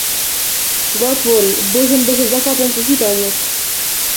Го отвори, божем беше зафатен со читање.